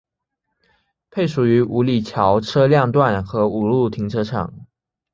配属于五里桥车辆段和五路停车场。